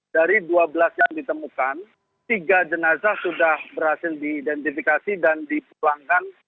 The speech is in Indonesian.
dari dua belas yang ditemukan tiga jenazah sudah berhasil diidentifikasi dan dipulangkan